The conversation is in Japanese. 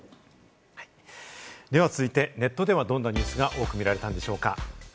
では続いて、ネットではどんなニュースが多く見られたんでしょうか？